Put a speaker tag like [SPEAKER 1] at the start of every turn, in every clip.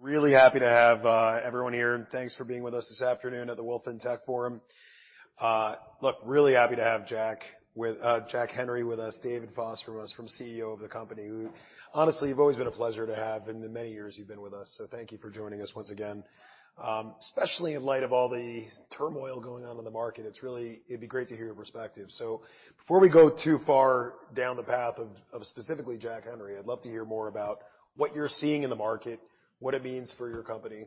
[SPEAKER 1] Really happy to have everyone here. Thanks for being with us this afternoon at the Wolfe Tech Forum. Look, really happy to have Jack Henry with us, David Foss with us, from CEO of the company, who honestly you've always been a pleasure to have in the many years you've been with us. Thank you for joining us once again. Especially in light of all the turmoil going on in the market, it'd be great to hear your perspective. Before we go too far down the path of specifically Jack Henry, I'd love to hear more about what you're seeing in the market, what it means for your company,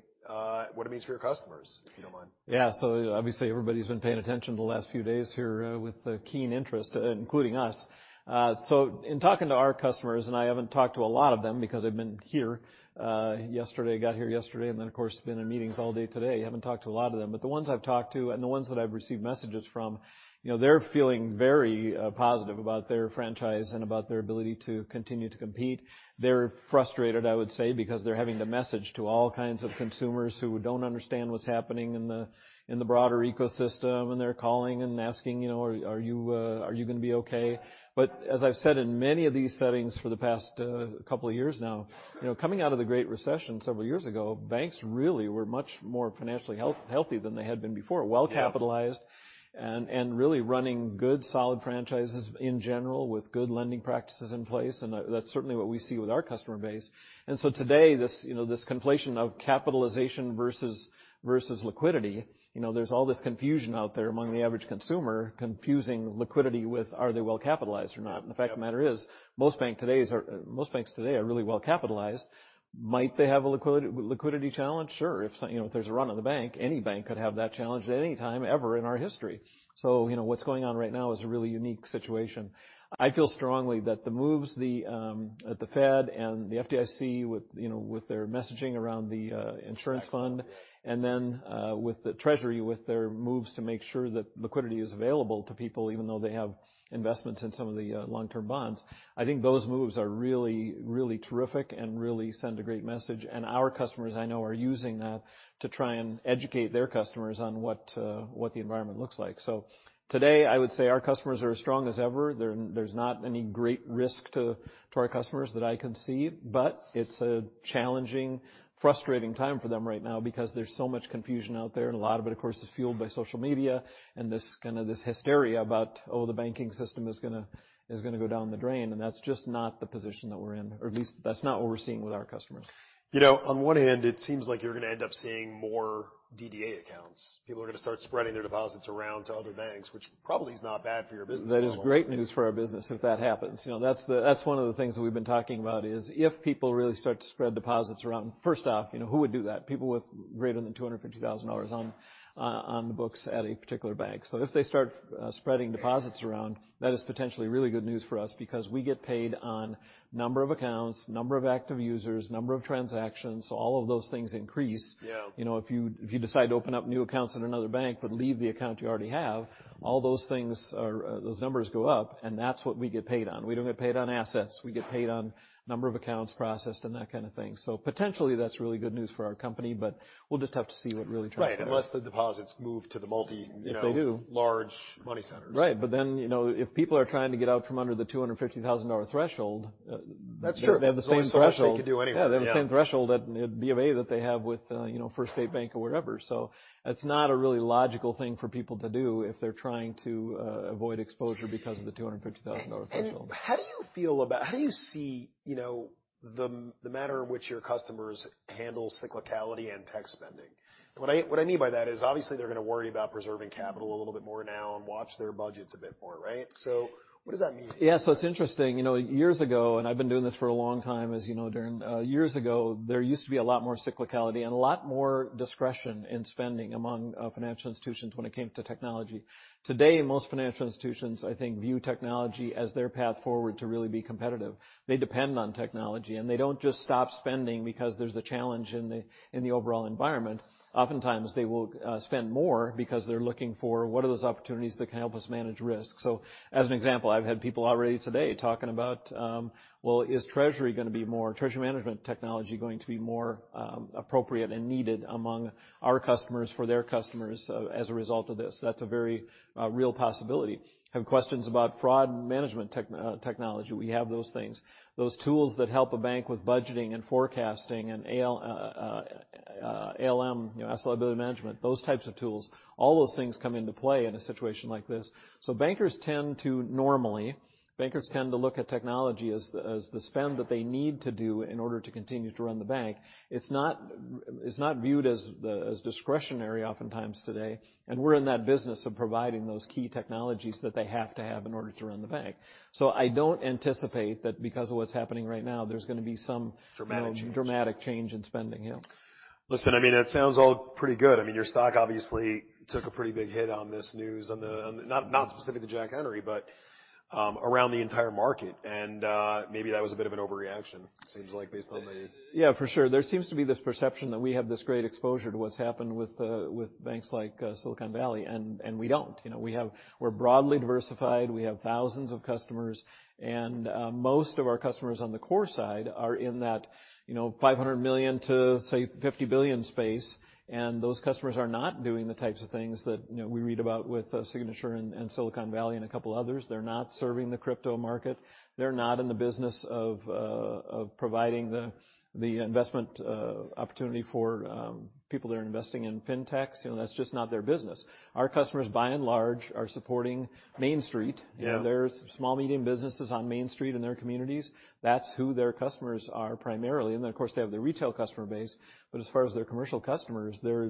[SPEAKER 1] what it means for your customers, if you don't mind.
[SPEAKER 2] Yeah. Obviously everybody's been paying attention the last few days here, with a keen interest, including us. In talking to our customers, and I haven't talked to a lot of them because I've been here, yesterday, I got here yesterday, and then of course, been in meetings all day today. Haven't talked to a lot of them. The ones I've talked to and the ones that I've received messages from, you know, they're feeling very positive about their franchise and about their ability to continue to compete. They're frustrated, I would say, because they're having to message to all kinds of consumers who don't understand what's happening in the broader ecosystem, and they're calling and asking, you know, "Are you gonna be okay?" As I've said in many of these settings for the past couple of years now, you know, coming out of the Great Recession several years ago, banks really were much more financially healthy than they had been before.
[SPEAKER 1] Yeah.
[SPEAKER 2] Well-capitalized and really running good solid franchises in general with good lending practices in place, and that's certainly what we see with our customer base. Today, this, you know, this conflation of capitalization versus liquidity, you know, there's all this confusion out there among the average consumer confusing liquidity with are they well capitalized or not.
[SPEAKER 1] Yeah.
[SPEAKER 2] The fact of the matter is most banks today are really well capitalized. Might they have a liquidity challenge? Sure. you know, if there's a run on the bank, any bank could have that challenge at any time ever in our history. you know, what's going on right now is a really unique situation. I feel strongly that the moves the Fed and the FDIC with, you know, with their messaging around the insurance fund-
[SPEAKER 1] Maxed out. Yeah...
[SPEAKER 2] and then, with the Treasury, with their moves to make sure that liquidity is available to people even though they have investments in some of the long-term bonds, I think those moves are really, really terrific and really send a great message. Our customers, I know, are using that to try and educate their customers on what the environment looks like. Today, I would say our customers are as strong as ever. There's not any great risk to our customers that I can see. It's a challenging, frustrating time for them right now because there's so much confusion out there. A lot of it, of course, is fueled by social media and this kinda hysteria about, oh, the banking system is gonna go down the drain. That's just not the position that we're in, or at least that's not what we're seeing with our customers.
[SPEAKER 1] You know, on one hand, it seems like you're gonna end up seeing more DDA accounts. People are gonna start spreading their deposits around to other banks, which probably is not bad for your business model.
[SPEAKER 2] That is great news for our business if that happens. You know, that's one of the things that we've been talking about is if people really start to spread deposits around, first off, you know, who would do that? People with greater than $250,000 on the books at a particular bank. If they start spreading deposits around, that is potentially really good news for us because we get paid on number of accounts, number of active users, number of transactions. All of those things increase.
[SPEAKER 1] Yeah.
[SPEAKER 2] You know, if you decide to open up new accounts in another bank, but leave the account you already have, all those things are, those numbers go up, and that's what we get paid on. We don't get paid on assets. We get paid on number of accounts processed and that kind of thing. Potentially, that's really good news for our company, but we'll just have to see what really transpires.
[SPEAKER 1] Right. Unless the deposits move to the multi, you know-
[SPEAKER 2] If they do...
[SPEAKER 1] large money centers.
[SPEAKER 2] Right. You know, if people are trying to get out from under the $250,000 threshold,
[SPEAKER 1] That's true....
[SPEAKER 2] they have the same threshold...
[SPEAKER 1] It's almost the last they could do anyway. Yeah...
[SPEAKER 2] yeah, they have the same threshold at BofA that they have with, you know, First State Bank or wherever. it's not a really logical thing for people to do if they're trying to avoid exposure because of the $250,000 threshold.
[SPEAKER 1] How do you see, you know, the manner in which your customers handle cyclicality and tech spending? What I mean by that is obviously they're gonna worry about preserving capital a little bit more now and watch their budgets a bit more, right? What does that mean?
[SPEAKER 2] Yeah. It's interesting, you know, years ago, I've been doing this for a long time, as you know, years ago, there used to be a lot more cyclicality and a lot more discretion in spending among financial institutions when it came to technology. Today, most financial institutions, I think, view technology as their path forward to really be competitive. They depend on technology. They don't just stop spending because there's a challenge in the overall environment. Oftentimes, they will spend more because they're looking for what are those opportunities that can help us manage risk. As an example, I've had people already today talking about, well, is treasury management technology going to be more appropriate and needed among our customers for their customers as a result of this? That's a very real possibility. Have questions about fraud management technology. We have those things. Those tools that help a bank with budgeting and forecasting and ALM, you know, Asset Liability Management, those types of tools, all those things come into play in a situation like this. Bankers tend to look at technology as the, as the spend that they need to do in order to continue to run the bank. It's not, it's not viewed as the, as discretionary oftentimes today, and we're in that business of providing those key technologies that they have to have in order to run the bank. I don't anticipate that because of what's happening right now, there's gonna be some-
[SPEAKER 1] Dramatic change
[SPEAKER 2] you know, dramatic change in spending. Yeah.
[SPEAKER 1] Listen, I mean, it sounds all pretty good. I mean, your stock obviously took a pretty big hit on this news not specific to Jack Henry, but around the entire market. Maybe that was a bit of an overreaction, it seems like.
[SPEAKER 2] Yeah, for sure. There seems to be this perception that we have this great exposure to what's happened with banks like Silicon Valley, and we don't. You know, we're broadly diversified. We have thousands of customers. Most of our customers on the core side are in that, you know, $500 million to, say, $50 billion space. Those customers are not doing the types of things that, you know, we read about with Signature and Silicon Valley and a couple others. They're not serving the crypto market. They're not in the business of providing the investment opportunity for people that are investing in Fintechs. You know, that's just not their business. Our customers, by and large, are supporting Main Street.
[SPEAKER 1] Yeah.
[SPEAKER 2] You know, there's small, medium businesses on Main Street in their communities. That's who their customers are primarily. Of course, they have their retail customer base. As far as their commercial customers, they're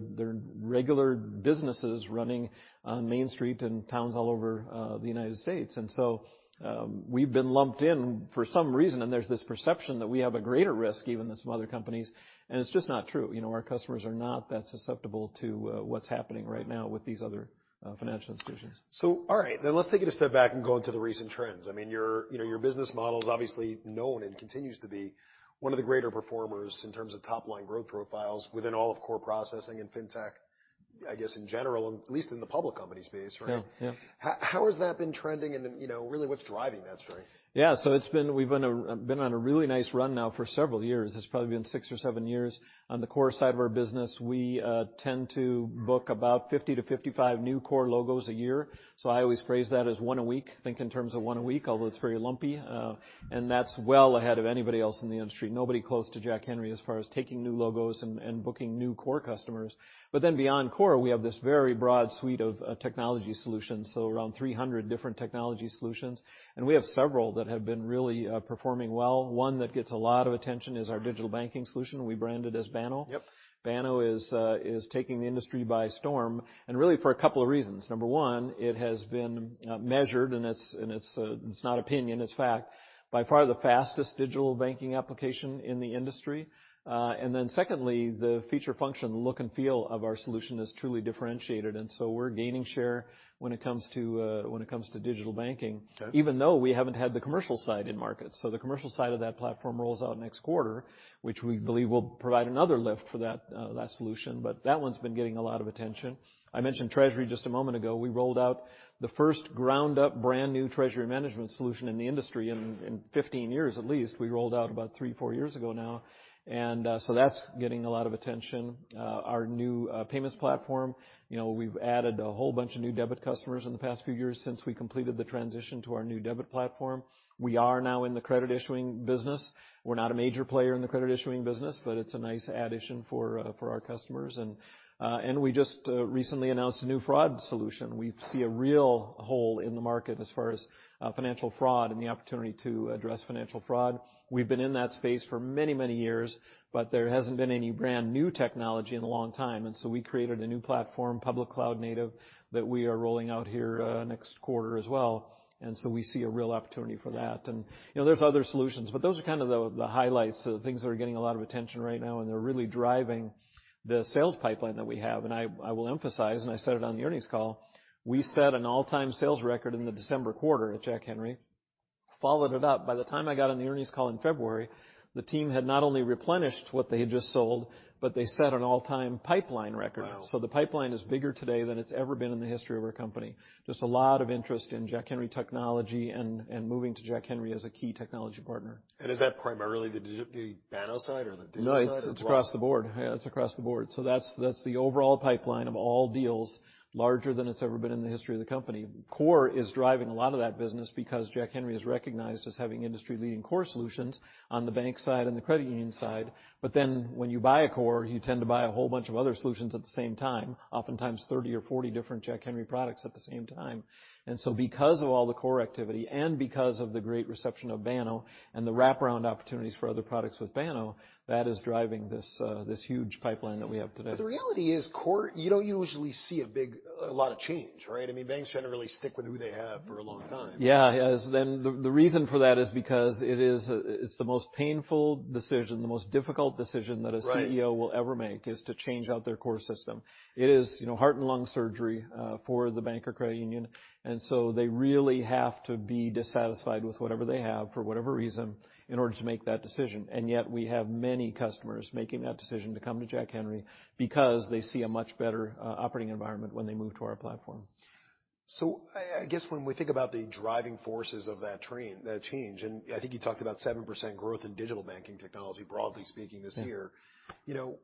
[SPEAKER 2] regular businesses running on Main Street in towns all over the United States. We've been lumped in for some reason, and there's this perception that we have a greater risk even than some other companies, and it's just not true. You know, our customers are not that susceptible to what's happening right now with these other financial institutions.
[SPEAKER 1] All right, let's take it a step back and go into the recent trends. I mean, you know, your business model's obviously known and continues to be one of the greater performers in terms of top-line growth profiles within all of core processing and fintech, I guess, in general, at least in the public company space, right?
[SPEAKER 2] Yeah. Yeah.
[SPEAKER 1] How has that been trending and then, you know, really what's driving that trend?
[SPEAKER 2] Yeah. We've been on a really nice run now for several years. It's probably been 6 or 7 years. On the core side of our business, we tend to book about 50 to 55 new core logos a year. I always phrase that as 1 a week, think in terms of 1 a week, although it's very lumpy, and that's well ahead of anybody else in the industry. Nobody close to Jack Henry as far as taking new logos and booking new core customers. Beyond core, we have this very broad suite of technology solutions, around 300 different technology solutions. We have several that have been really performing well. One that gets a lot of attention is our digital banking solution we branded as Banno.
[SPEAKER 1] Yep.
[SPEAKER 2] Banno is taking the industry by storm, and really for a couple of reasons. Number one, it has been measured and it's not opinion, it's fact, by far the fastest digital banking application in the industry. Secondly, the feature function look and feel of our solution is truly differentiated. We're gaining share when it comes to digital banking...
[SPEAKER 1] Okay.
[SPEAKER 2] Even though we haven't had the commercial side in market. The commercial side of that platform rolls out next quarter, which we believe will provide another lift for that solution. That one's been getting a lot of attention. I mentioned treasury just a moment ago. We rolled out the first ground up brand new treasury management solution in the industry in 15 years at least. We rolled out about three, four years ago now. So that's getting a lot of attention. Our new payments platform, you know, we've added a whole bunch of new debit customers in the past few years since we completed the transition to our new debit platform. We are now in the credit issuing business. We're not a major player in the credit issuing business, but it's a nice addition for our customers. We just recently announced a new fraud solution. We see a real hole in the market as far as financial fraud and the opportunity to address financial fraud. We've been in that space for many, many years, but there hasn't been any brand-new technology in a long time. We created a new platform, public cloud native, that we are rolling out here next quarter as well. We see a real opportunity for that. You know, there's other solutions, but those are kind of the highlights, the things that are getting a lot of attention right now, and they're really driving the sales pipeline that we have. I will emphasize, and I said it on the earnings call, we set an all-time sales record in the December quarter at Jack Henry, followed it up. By the time I got on the earnings call in February, the team had not only replenished what they had just sold, but they set an all-time pipeline record.
[SPEAKER 1] Wow.
[SPEAKER 2] The pipeline is bigger today than it's ever been in the history of our company. Just a lot of interest in Jack Henry technology and moving to Jack Henry as a key technology partner.
[SPEAKER 1] Is that primarily the Banno side or the digital side as well?
[SPEAKER 2] No, it's across the board. Yeah, it's across the board. That's, that's the overall pipeline of all deals larger than it's ever been in the history of the company. Core is driving a lot of that business because Jack Henry is recognized as having industry-leading core solutions on the bank side and the credit union side. When you buy a core, you tend to buy a whole bunch of other solutions at the same time, oftentimes 30 or 40 different Jack Henry products at the same time. Because of all the core activity and because of the great reception of Banno and the wraparound opportunities for other products with Banno, that is driving this huge pipeline that we have today.
[SPEAKER 1] The reality is core, you don't usually see a lot of change, right? I mean, banks generally stick with who they have for a long time.
[SPEAKER 2] Yeah. Yes. The reason for that is because it is, it's the most painful decision, the most difficult decision that.
[SPEAKER 1] Right.
[SPEAKER 2] CEO will ever make, is to change out their core system. It is, you know, heart and lung surgery for the bank or credit union. They really have to be dissatisfied with whatever they have for whatever reason in order to make that decision. We have many customers making that decision to come to Jack Henry because they see a much better operating environment when they move to our platform.
[SPEAKER 1] I guess when we think about the driving forces of that change, I think you talked about 7% growth in digital banking technology, broadly speaking this year.
[SPEAKER 2] Yeah.
[SPEAKER 1] You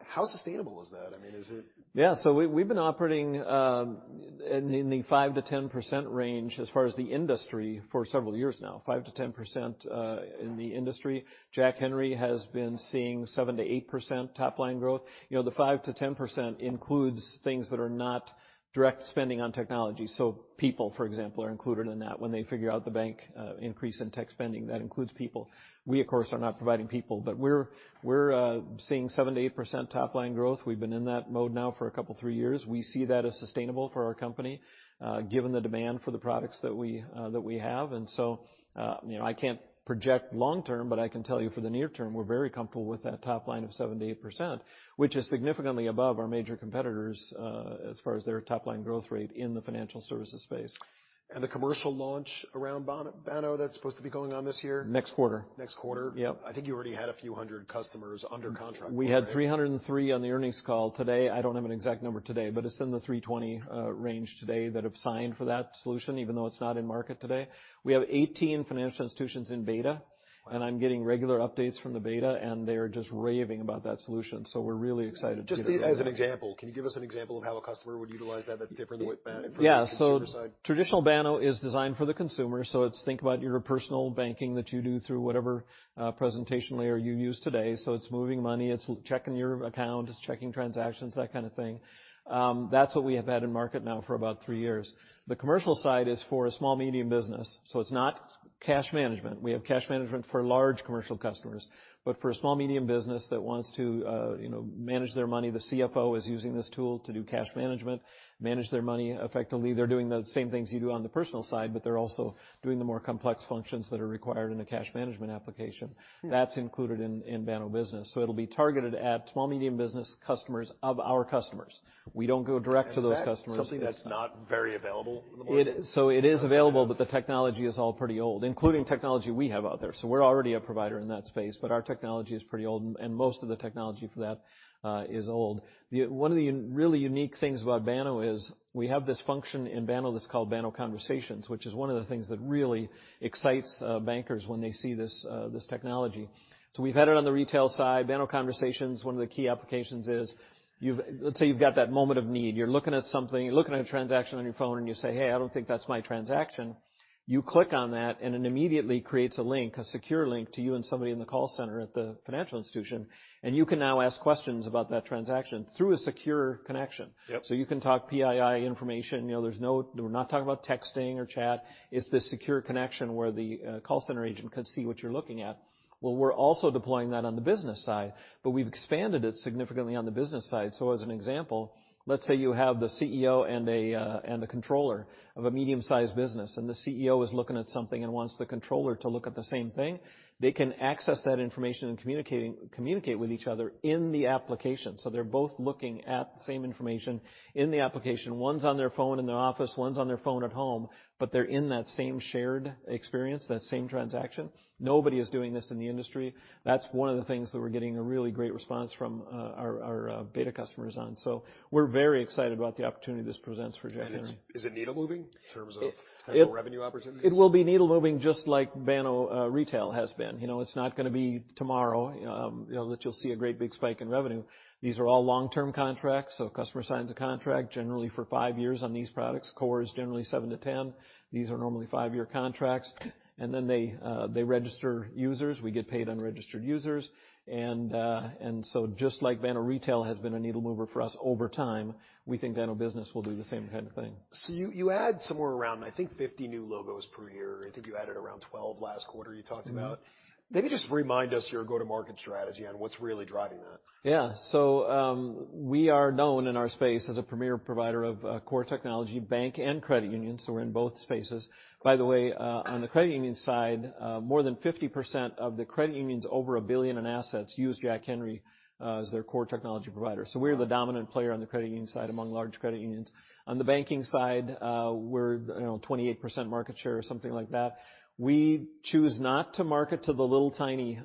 [SPEAKER 1] know, how sustainable is that? I mean, is it
[SPEAKER 2] We've been operating in the 5%-10% range as far as the industry for several years now. 5%-10% in the industry. Jack Henry has been seeing 7%-8% top-line growth. You know, the 5%-10% includes things that are not direct spending on technology. People, for example, are included in that when they figure out the bank increase in tech spending, that includes people. We, of course, are not providing people, but we're seeing 7%-8% top-line growth. We've been in that mode now for a couple three years. We see that as sustainable for our company, given the demand for the products that we that we have. You know, I can't project long term, but I can tell you for the near term, we're very comfortable with that top line of 7%-8%, which is significantly above our major competitors, as far as their top-line growth rate in the financial services space.
[SPEAKER 1] The commercial launch around Banno that's supposed to be going on this year?
[SPEAKER 2] Next quarter.
[SPEAKER 1] Next quarter?
[SPEAKER 2] Yep.
[SPEAKER 1] I think you already had a few hundred customers under contract for it, right?
[SPEAKER 2] We had 303 on the earnings call. Today, I don't have an exact number today, but it's in the 320 range today that have signed for that solution, even though it's not in market today. We have 18 financial institutions in beta. I'm getting regular updates from the beta, and they're just raving about that solution. We're really excited to get it going.
[SPEAKER 1] Just as an example, can you give us an example of how a customer would utilize that differently from a consumer side?
[SPEAKER 2] Yeah. Traditional Banno is designed for the consumer. It's think about your personal banking that you do through whatever presentation layer you use today. It's moving money, it's checking your account, it's checking transactions, that kind of thing. That's what we have had in market now for about three years. The commercial side is for a small medium business, so it's not cash management. We have cash management for large commercial customers, but for a small, medium business that wants to, you know, manage their money, the CFO is using this tool to do cash management, manage their money effectively. They're doing the same things you do on the personal side, but they're also doing the more complex functions that are required in a cash management application. That's included in Banno Business. It'll be targeted at small, medium business customers of our customers. We don't go direct to those customers.
[SPEAKER 1] Is that something that's not very available in the marketplace?
[SPEAKER 2] It is. It is available, but the technology is all pretty old, including technology we have out there. We're already a provider in that space, but our technology is pretty old and most of the technology for that is old. One of the really unique things about Banno is we have this function in Banno that's called Banno Conversations, which is one of the things that really excites bankers when they see this technology. We've had it on the retail side. Banno Conversations, one of the key applications is Let's say you've got that moment of need. You're looking at something, you're looking at a transaction on your phone, and you say, "Hey, I don't think that's my transaction." You click on that, and it immediately creates a link, a secure link to you and somebody in the call center at the financial institution, and you can now ask questions about that transaction through a secure connection.
[SPEAKER 1] Yep.
[SPEAKER 2] You can talk PII information. You know, we're not talking about texting or chat. It's this secure connection where the call center agent can see what you're looking at. We're also deploying that on the business side, but we've expanded it significantly on the business side. As an example, let's say you have the CEO and the controller of a medium-sized business, and the CEO is looking at something and wants the controller to look at the same thing. They can access that information and communicate with each other in the application. They're both looking at the same information in the application. One's on their phone in their office, one's on their phone at home, but they're in that same shared experience, that same transaction. Nobody is doing this in the industry. That's one of the things that we're getting a really great response from, our beta customers on. We're very excited about the opportunity this presents for Jack Henry.
[SPEAKER 1] Is it needle-moving in terms of potential revenue opportunities?
[SPEAKER 2] It will be needle-moving just like Banno Retail has been. You know, it's not gonna be tomorrow, you know, that you'll see a great big spike in revenue. These are all long-term contracts, so customer signs a contract generally for five years on these products. Core is generally 7-10. These are normally five year contracts. Then they register users. We get paid on registered users. So just like Banno Retail has been a needle mover for us over time, we think Banno Business will do the same kind of thing.
[SPEAKER 1] You add somewhere around, I think, 50 new logos per year. I think you added around 12 last quarter, you talked about.
[SPEAKER 2] Mm-hmm.
[SPEAKER 1] Maybe just remind us your go-to-market strategy and what's really driving that?
[SPEAKER 2] We are known in our space as a premier provider of core technology bank and credit unions, so we're in both spaces. By the way, on the credit union side, more than 50% of the credit unions over $1 billion in assets use Jack Henry as their core technology provider. We're the dominant player on the credit union side among large credit unions. On the banking side, we're, you know, 28% market share or something like that. We choose not to market to the little tiny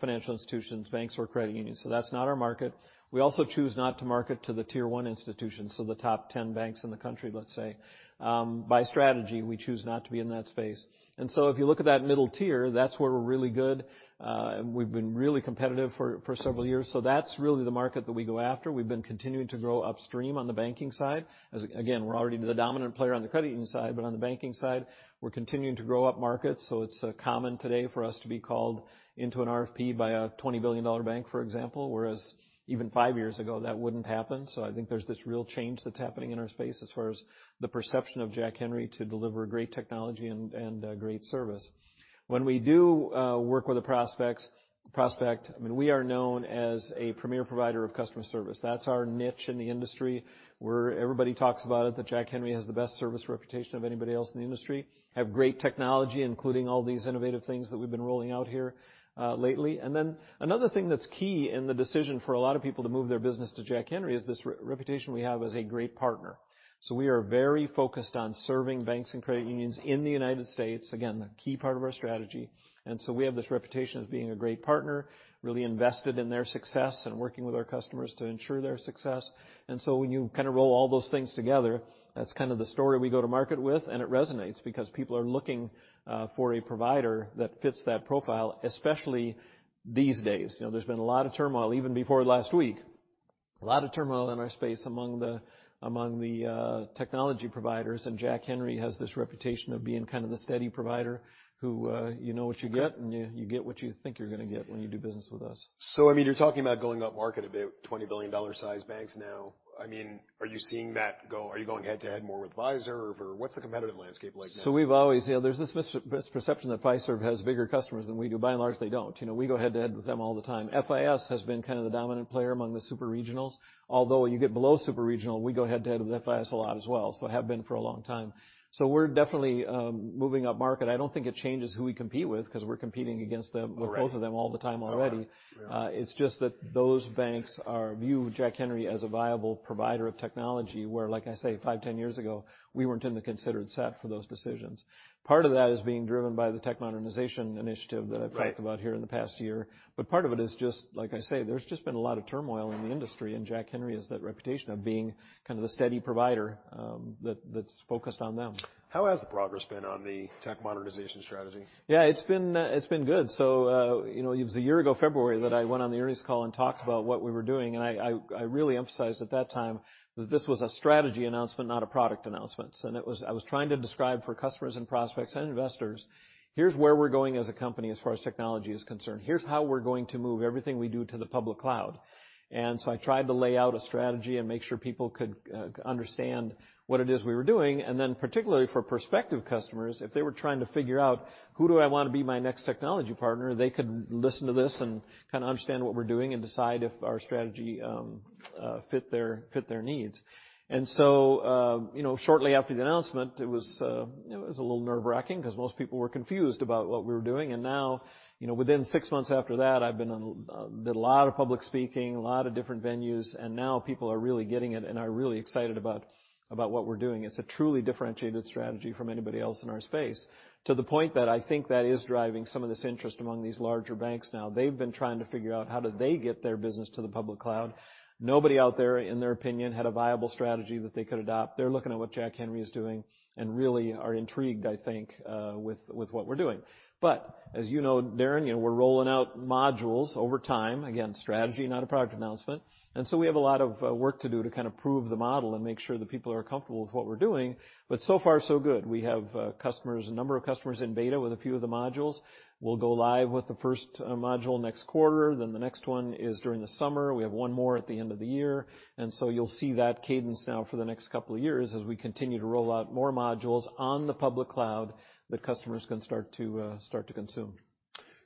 [SPEAKER 2] financial institutions, banks or credit unions, so that's not our market. We also choose not to market to the tier one institutions, so the top 10 banks in the country, let's say. By strategy, we choose not to be in that space. If you look at that middle tier, that's where we're really good. And we've been really competitive for several years. That's really the market that we go after. We've been continuing to grow upstream on the banking side. As, again, we're already the dominant player on the credit union side, but on the banking side, we're continuing to grow upmarket. It's common today for us to be called into an RFP by a $20 billion bank, for example, whereas even five years ago, that wouldn't happen. I think there's this real change that's happening in our space as far as the perception of Jack Henry to deliver great technology and great service. When we do work with the prospect, I mean, we are known as a premier provider of customer service. That's our niche in the industry, where everybody talks about it, that Jack Henry has the best service reputation of anybody else in the industry. Have great technology, including all these innovative things that we've been rolling out here lately. Another thing that's key in the decision for a lot of people to move their business to Jack Henry is this reputation we have as a great partner. We are very focused on serving banks and credit unions in the United States, again, a key part of our strategy. We have this reputation as being a great partner, really invested in their success and working with our customers to ensure their success. When you kind of roll all those things together, that's kind of the story we go to market with, and it resonates because people are looking for a provider that fits that profile, especially these days. You know, there's been a lot of turmoil even before last week. A lot of turmoil in our space among the technology providers. Jack Henry has this reputation of being kind of the steady provider who, you know what you get, and you get what you think you're gonna get when you do business with us.
[SPEAKER 1] I mean, you're talking about going upmarket, about $20 billion sized banks now. I mean, are you going head to head more with Fiserv or what's the competitive landscape like now?
[SPEAKER 2] We've always... You know, there's this misperception that Fiserv has bigger customers than we do. By and large, they don't. You know, we go head to head with them all the time. FIS has been kind of the dominant player among the super regionals. Although you get below super regional, we go head to head with FIS a lot as well, so have been for a long time. We're definitely moving upmarket. I don't think it changes who we compete with 'cause we're competing against them-
[SPEAKER 1] Correct.
[SPEAKER 2] With both of them all the time already.
[SPEAKER 1] Uh-huh. Yeah.
[SPEAKER 2] It's just that those banks view Jack Henry as a viable provider of technology, where, like I say, five, 10 years ago, we weren't in the considered set for those decisions. Part of that is being driven by the tech modernization initiative that I've.
[SPEAKER 1] Right.
[SPEAKER 2] Talked about here in the past year. Part of it is just, like I say, there's just been a lot of turmoil in the industry, and Jack Henry has that reputation of being kind of the steady provider, that's focused on them.
[SPEAKER 1] How has the progress been on the tech monetization strategy?
[SPEAKER 2] Yeah, it's been, it's been good. You know, it was a year ago February that I went on the earnings call and talked about what we were doing, and I really emphasized at that time that this was a strategy announcement, not a product announcement. I was trying to describe for customers and prospects and investors, here's where we're going as a company as far as technology is concerned. Here's how we're going to move everything we do to the public cloud. I tried to lay out a strategy and make sure people could understand what it is we were doing, and then particularly for prospective customers, if they were trying to figure out who do I wanna be my next technology partner, they could listen to this and kinda understand what we're doing and decide if our strategy fit their needs. You know, shortly after the announcement, it was, you know, it was a little nerve-wracking 'cause most people were confused about what we were doing. You know, within six months after that, I've been on, did a lot of public speaking, a lot of different venues, and now people are really getting it and are really excited about what we're doing. It's a truly differentiated strategy from anybody else in our space, to the point that I think that is driving some of this interest among these larger banks now. They've been trying to figure out how do they get their business to the public cloud. Nobody out there, in their opinion, had a viable strategy that they could adopt. They're looking at what Jack Henry is doing, and really are intrigued, I think, with what we're doing. As you know, Darrin, you know, we're rolling out modules over time. Again, strategy, not a product announcement. We have a lot of work to do to kinda prove the model and make sure that people are comfortable with what we're doing, but so far, so good. We have customers, a number of customers in beta with a few of the modules. We'll go live with the first module next quarter. The next one is during the summer. We have one more at the end of the year. You'll see that cadence now for the next couple of years as we continue to roll out more modules on the public cloud that customers can start to consume.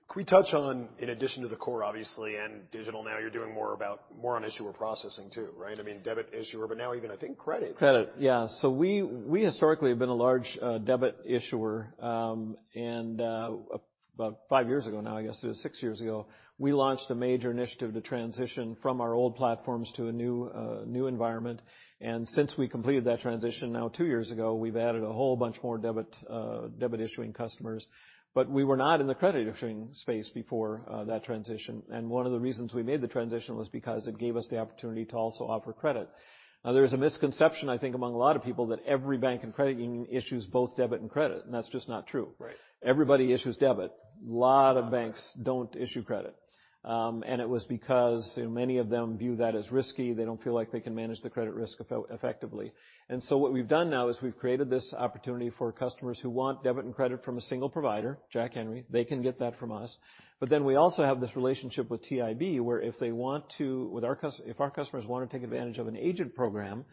[SPEAKER 1] Can we touch on in addition to the core obviously and digital, now you're doing more on issuer processing too, right? I mean, debit issuer, but now even I think credit.
[SPEAKER 2] Credit, yeah. We historically have been a large, debit issuer, and, about five years ago now, I guess it was six years ago, we launched a major initiative to transition from our old platforms to a new environment. Since we completed that transition now two years ago, we've added a whole bunch more debit issuing customers. We were not in the credit issuing space before, that transition. One of the reasons we made the transition was because it gave us the opportunity to also offer credit. There's a misconception, I think, among a lot of people that every bank and credit union issues both debit and credit, and that's just not true.
[SPEAKER 1] Right.
[SPEAKER 2] Everybody issues debit. Lot of banks don't issue credit. It was because many of them view that as risky. They don't feel like they can manage the credit risk effectively. What we've done now is we've created this opportunity for customers who want debit and credit from a single provider, Jack Henry. They can get that from us. We also have this relationship with TIB, where if they want to, if our customers wanna take advantage of an agent program,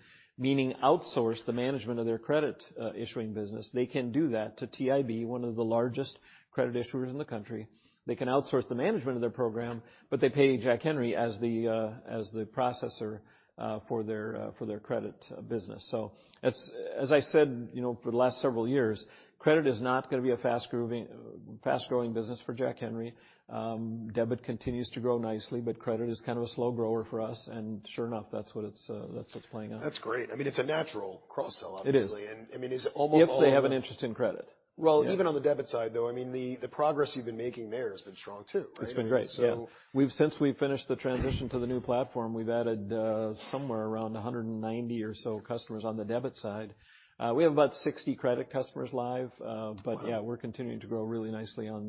[SPEAKER 2] meaning outsource the management of their credit issuing business, they can do that to TIB, one of the largest credit issuers in the country. They can outsource the management of their program, but they pay Jack Henry as the processor for their credit business. As, as I said, you know, for the last several years, credit is not gonna be a fast-growing business for Jack Henry. Debit continues to grow nicely, but credit is kind of a slow grower for us, and sure enough, that's what's playing out.
[SPEAKER 1] That's great. I mean, it's a natural cross-sell obviously.
[SPEAKER 2] It is.
[SPEAKER 1] I mean, is it almost all of them...
[SPEAKER 2] If they have an interest in credit.
[SPEAKER 1] Well, even on the debit side though, I mean, the progress you've been making there has been strong too, right? I mean.
[SPEAKER 2] It's been great, yeah. Since we've finished the transition to the new platform, we've added somewhere around 190 or so customers on the debit side. We have about 60 credit customers live.
[SPEAKER 1] Wow.
[SPEAKER 2] Yeah, we're continuing to grow really nicely on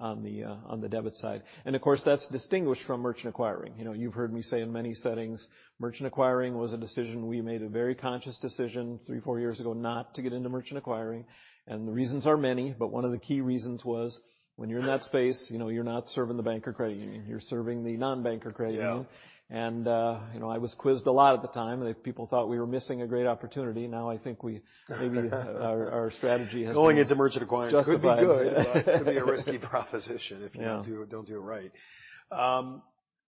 [SPEAKER 2] the debit side. Of course, that's distinguished from merchant acquiring. You know, you've heard me say in many settings, merchant acquiring was a decision. We made a very conscious decision three, four years ago not to get into merchant acquiring. The reasons are many, but one of the key reasons was when you're in that space, you know, you're not serving the bank or credit union. You're serving the non-bank or credit union.
[SPEAKER 1] Yeah.
[SPEAKER 2] You know, I was quizzed a lot at the time, that people thought we were missing a great opportunity. Now I think we, maybe our strategy has been-
[SPEAKER 1] Going into merchant acquiring could be good.
[SPEAKER 2] Justified.
[SPEAKER 1] Could be a risky proposition if you don't.
[SPEAKER 2] Yeah.
[SPEAKER 1] Don't do it right.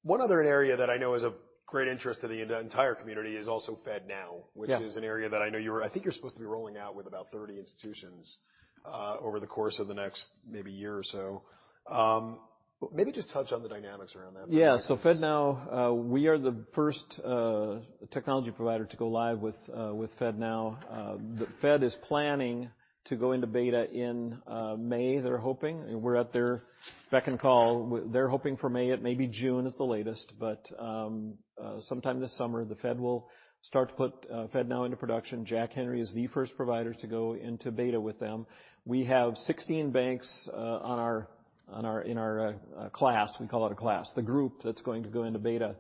[SPEAKER 1] One other area that I know is of great interest to the entire community is also FedNow.
[SPEAKER 2] Yeah.
[SPEAKER 1] Which is an area that I know you were. I think you're supposed to be rolling out with about 30 institutions over the course of the next maybe year or so. Maybe just touch on the dynamics around that for a minute.
[SPEAKER 2] FedNow, we are the first technology provider to go live with FedNow. The Fed is planning to go into beta in May, they're hoping. We're at their beck and call. They're hoping for May. It may be June at the latest. Sometime this summer, the Fed will start to put FedNow into production. Jack Henry is the first provider to go into beta with them. We have 16 banks in our class. We call it a class, the group that's going to go into beta,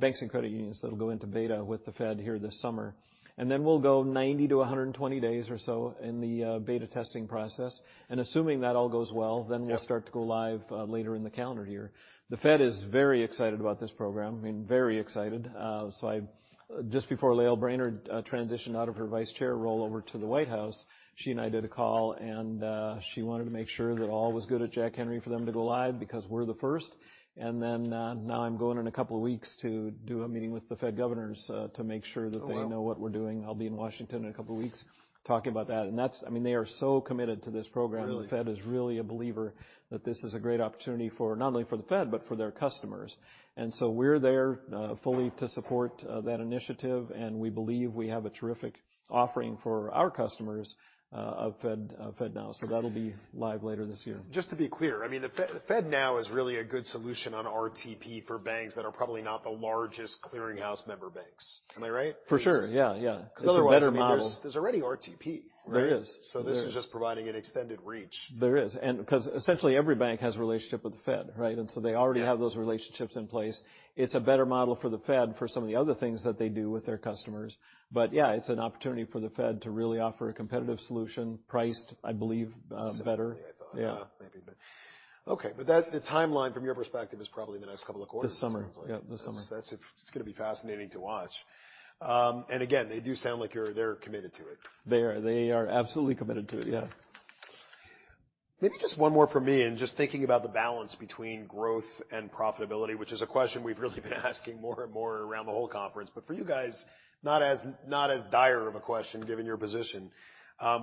[SPEAKER 2] banks and credit unions that'll go into beta with the Fed here this summer. We'll go 90 to 120 days or so in the beta testing process. Assuming that all goes well-
[SPEAKER 1] Yeah.
[SPEAKER 2] We'll start to go live later in the calendar year. The Fed is very excited about this program. I mean, very excited. Just before Lael Brainard transitioned out of her vice chair role over to the White House, she and I did a call and she wanted to make sure that all was good at Jack Henry for them to go live because we're the first. Now I'm going in a couple of weeks to do a meeting with the Fed governors to make sure that they know what we're doing. I'll be in Washington in a couple of weeks talking about that. I mean, they are so committed to this program.
[SPEAKER 1] Really?
[SPEAKER 2] The Fed is really a believer that this is a great opportunity for not only for the Fed but for their customers. We're there, fully to support, that initiative, and we believe we have a terrific offering for our customers, of Fed, of FedNow. That'll be live later this year.
[SPEAKER 1] Just to be clear, I mean, the FedNow is really a good solution on RTP for banks that are probably not the largest clearing house member banks. Am I right?
[SPEAKER 2] For sure. Yeah, yeah. It's a better model.
[SPEAKER 1] 'Cause otherwise, I mean, there's already RTP, right?
[SPEAKER 2] There is. There is.
[SPEAKER 1] This is just providing an extended reach.
[SPEAKER 2] There is. 'Cause essentially every bank has a relationship with the Fed, right?
[SPEAKER 1] Yeah...
[SPEAKER 2] have those relationships in place. It's a better model for the Fed for some of the other things that they do with their customers. Yeah, it's an opportunity for the Fed to really offer a competitive solution priced, I believe, better.
[SPEAKER 1] Significantly I thought.
[SPEAKER 2] Yeah.
[SPEAKER 1] Maybe better. Okay. The timeline from your perspective is probably the next couple of quarters.
[SPEAKER 2] This summer.
[SPEAKER 1] It seems like.
[SPEAKER 2] Yeah, this summer.
[SPEAKER 1] It's gonna be fascinating to watch. Again, they do sound like they're committed to it.
[SPEAKER 2] They are. They are absolutely committed to it, yeah.
[SPEAKER 1] Maybe just one more for me, just thinking about the balance between growth and profitability, which is a question we've really been asking more and more around the whole conference. For you guys, not as, not as dire of a question given your position.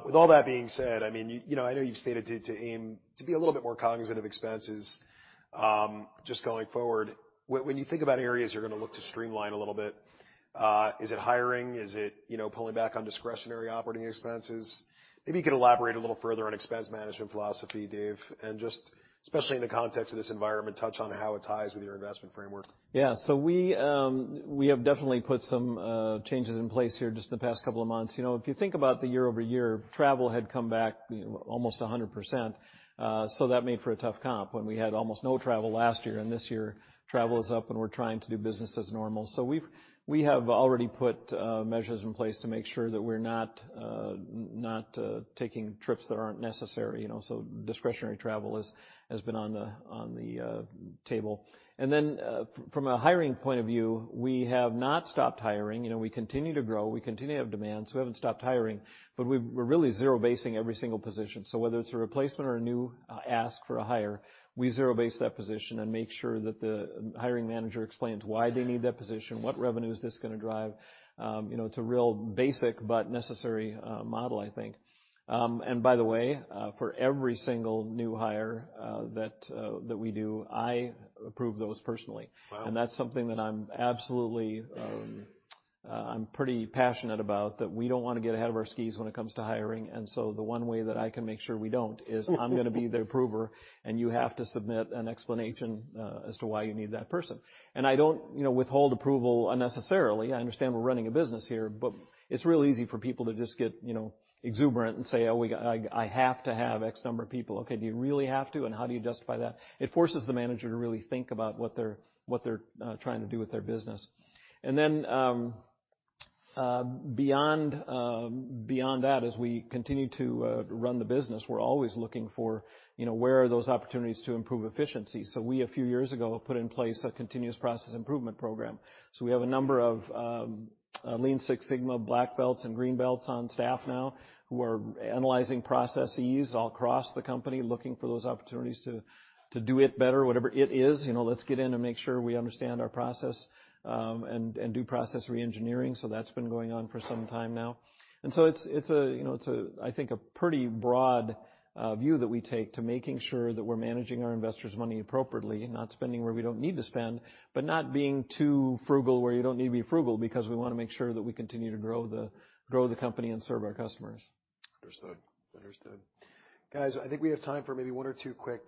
[SPEAKER 1] With all that being said, I mean, you know, I know you've stated to aim to be a little bit more cognizant of expenses just going forward. When you think about areas you're gonna look to streamline a little bit, is it hiring? Is it, you know, pulling back on discretionary operating expenses? Maybe you could elaborate a little further on expense management philosophy, Dave, and just, especially in the context of this environment, touch on how it ties with your investment framework.
[SPEAKER 2] We have definitely put some changes in place here just in the past couple of months. You know, if you think about the year-over-year, travel had come back almost 100%. That made for a tough comp when we had almost no travel last year, this year travel is up and we're trying to do business as normal. We have already put measures in place to make sure that we're not taking trips that aren't necessary. You know, discretionary travel has been on the table. From a hiring point of view, we have not stopped hiring. You know, we continue to grow. We continue to have demand, we haven't stopped hiring. We're really zero-basing every single position. Whether it's a replacement or a new, ask for a hire, we zero base that position and make sure that the hiring manager explains why they need that position, what revenue is this gonna drive. You know, it's a real basic but necessary, model, I think. By the way, for every single new hire, that we do, I approve those personally.
[SPEAKER 1] Wow.
[SPEAKER 2] That's something that I'm absolutely, I'm pretty passionate about, that we don't wanna get ahead of our skis when it comes to hiring. The one way that I can make sure we don't is I'm gonna be the approver, and you have to submit an explanation as to why you need that person. I don't, you know, withhold approval unnecessarily. I understand we're running a business here, but it's real easy for people to just get, you know, exuberant and say, "Oh, I have to have X number of people." Okay, do you really have to, and how do you justify that? It forces the manager to really think about what they're, what they're trying to do with their business. Then, beyond that, as we continue to run the business, we're always looking for, you know, where are those opportunities to improve efficiency. We a few years ago, put in place a continuous process improvement program. We have a number of Lean Six Sigma black belts and green belts on staff now who are analyzing processes all across the company, looking for those opportunities to do it better, whatever it is. You know, let's get in and make sure we understand our process and do process re-engineering. That's been going on for some time now. It's a, you know, it's a I think, a pretty broad view that we take to making sure that we're managing our investors' money appropriately and not spending where we don't need to spend, but not being too frugal where you don't need to be frugal because we wanna make sure that we continue to grow the company and serve our customers.
[SPEAKER 1] Understood. Understood. Guys, I think we have time for maybe one or two quick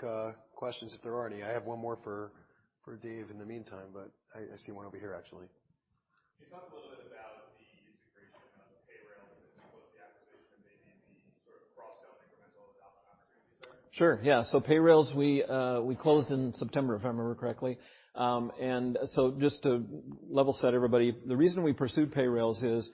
[SPEAKER 1] questions if there are any. I have one more for Dave in the meantime, but I see one over here actually. Can you talk a little bit about the integration of Payrailz since you closed the acquisition and maybe the sort of cross sell incremental outcome after you did that?
[SPEAKER 2] Sure, yeah. Payrailz, we closed in September, if I remember correctly. Just to level set everybody, the reason we pursued Payrailz is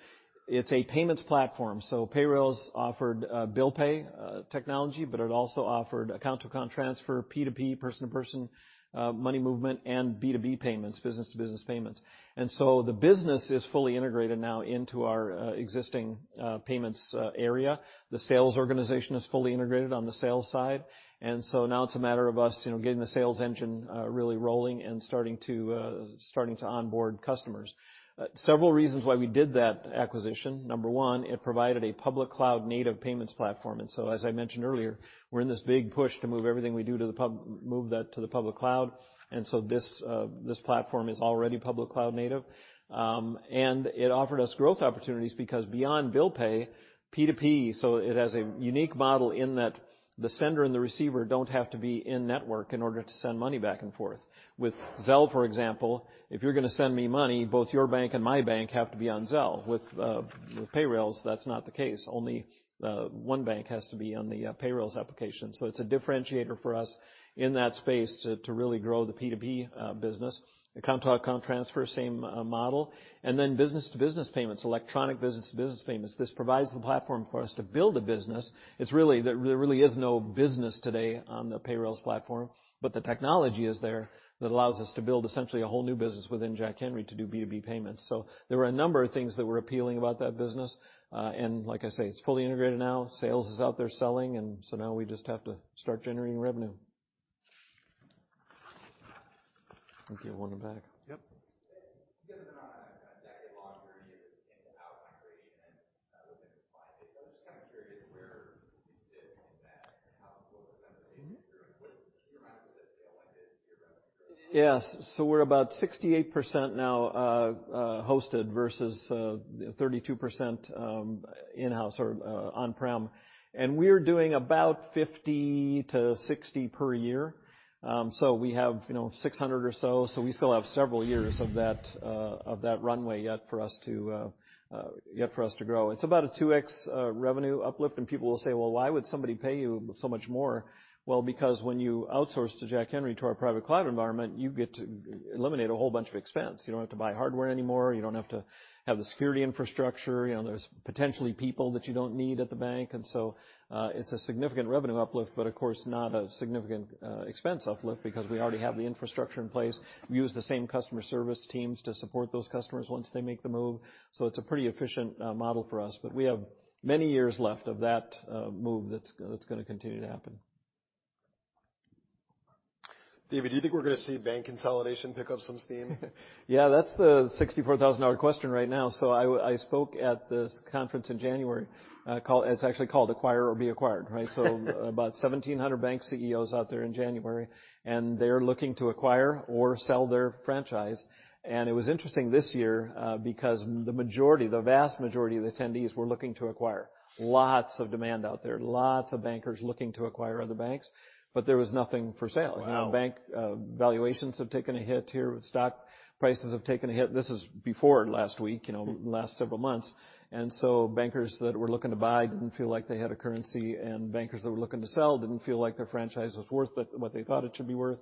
[SPEAKER 2] it's a payments platform. Payrailz offered bill pay technology, but it also offered account to account transfer, P2P, person to person money movement, and B2B payments, business to business payments. The business is fully integrated now into our existing payments area. The sales organization is fully integrated on the sales side. Now it's a matter of us, you know, getting the sales engine really rolling and starting to onboard customers. Several reasons why we did that acquisition. Number 1, it provided a public cloud native payments platform. As I mentioned earlier, we're in this big push to move everything we do to the public cloud. This platform is already public cloud native. It offered us growth opportunities because beyond bill pay, P2P. It has a unique model in that the sender and the receiver don't have to be in network in order to send money back and forth. With Zelle, for example, if you're gonna send me money, both your bank and my bank have to be on Zelle. With Payrailz, that's not the case. Only one bank has to be on the Payrailz application. It's a differentiator for us in that space to really grow the P2P business. Account to account transfer, same model. Then business to business payments, electronic business to business payments. This provides the platform for us to build a business. It's really. There really is no business today on the Payrailz platform, but the technology is there that allows us to build essentially a whole new business within Jack Henry to do B2B payments. There were a number of things that were appealing about that business. Like I say, it's fully integrated now. Sales is out there selling, now we just have to start generating revenue.
[SPEAKER 3] I think you have one in the back. Yep. Given the kind of decade-long journey into out-migration and within client base, I'm just kinda curious where you sit?
[SPEAKER 2] Yes. We're about 68% now hosted versus 32% in-house or on-prem. We're doing about 50-60 per year. We have, you know, 600 or so. We still have several years of that runway yet for us to grow. It's about a 2x revenue uplift. People will say, "Well, why would somebody pay you so much more?" Well, because when you outsource to Jack Henry, to our private cloud environment, you get to eliminate a whole bunch of expense. You don't have to buy hardware anymore. You don't have to have the security infrastructure. You know, there's potentially people that you don't need at the bank. It's a significant revenue uplift, but of course not a significant expense uplift because we already have the infrastructure in place. We use the same customer service teams to support those customers once they make the move. It's a pretty efficient model for us, but we have many years left of that move that's gonna continue to happen.
[SPEAKER 1] David, do you think we're gonna see bank consolidation pick up some steam?
[SPEAKER 2] Yeah, that's the $64,000 question right now. I spoke at this conference in January, called... It's actually called Acquire or Be Acquired, right? About 1,700 bank CEOs out there in January, and they're looking to acquire or sell their franchise. It was interesting this year because the majority, the vast majority of the attendees were looking to acquire. Lots of demand out there, lots of bankers looking to acquire other banks, but there was nothing for sale.
[SPEAKER 1] Wow.
[SPEAKER 2] You know, bank valuations have taken a hit here with stock. Prices have taken a hit. This is before last week, you know, last several months. Bankers that were looking to buy didn't feel like they had a currency, and bankers that were looking to sell didn't feel like their franchise was worth what they thought it should be worth.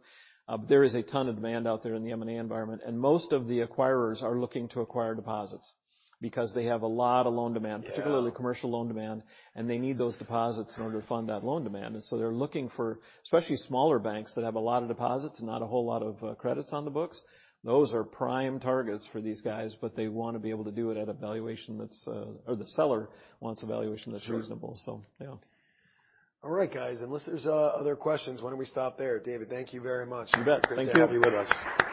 [SPEAKER 2] There is a ton of demand out there in the M&A environment, and most of the acquirers are looking to acquire deposits because they have a lot of loan demand-
[SPEAKER 1] Yeah...
[SPEAKER 2] particularly commercial loan demand, and they need those deposits in order to fund that loan demand. They're looking for especially smaller banks that have a lot of deposits and not a whole lot of credits on the books. Those are prime targets for these guys, but they wanna be able to do it at a valuation that's or the seller wants a valuation that's reasonable.
[SPEAKER 1] Sure.
[SPEAKER 2] Yeah.
[SPEAKER 1] All right, guys, unless there's other questions, why don't we stop there? David, thank you very much.
[SPEAKER 2] You bet. Thank you.
[SPEAKER 1] Good to have you with us.